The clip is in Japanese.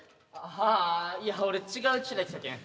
あいや俺違う汽車で来たけん。